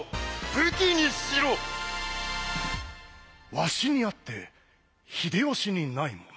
わしにあって秀吉にないもの？